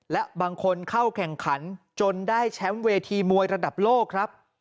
และบางคนเข้าแข่งขันจนได้แชมป์เวทีมวยระดับโลกครับ